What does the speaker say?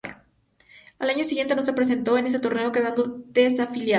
Al año siguiente no se presentó en este torneo quedando desafiliado.